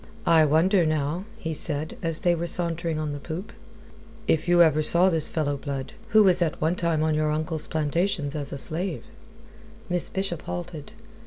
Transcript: "I wonder now," he said, as they were sauntering on the poop, "if you ever saw this fellow Blood, who was at one time on your uncle's plantations as a slave." Miss Bishop halted.